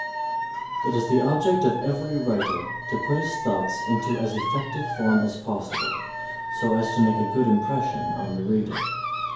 It is the object of every writer to put his thoughts into as effective form as possible so as to make a good impression on the reader.